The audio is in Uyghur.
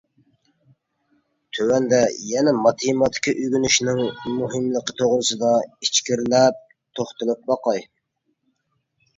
تۆۋەندە يەنە ماتېماتىكا ئۆگىنىشنىڭ مۇھىملىقى توغرىسىدا ئىچكىرىلەپ توختىلىپ باقاي.